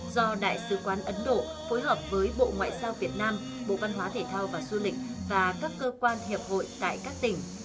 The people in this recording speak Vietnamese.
do đại sứ quán ấn độ phối hợp với bộ ngoại giao việt nam bộ văn hóa thể thao và du lịch và các cơ quan hiệp hội tại các tỉnh